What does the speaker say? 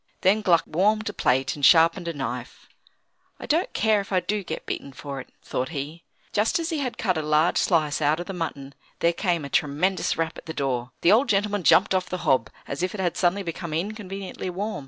Then Gluck warmed a plate and sharpened a knife. "I don't care if I do get beaten for it," thought he. Just as he had cut a large slice out of the mutton, there came a tremendous rap at the door. The old gentleman jumped off the hob, as if it had suddenly become inconveniently warm.